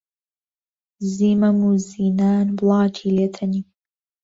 زیی مەم و زینان وڵاتی لێ تەنیم